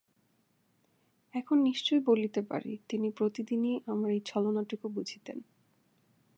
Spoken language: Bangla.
এখন নিশ্চয় বলিতে পারি, তিনি প্রতিদিনই আমার এই ছলনাটুকু বুঝিতেন।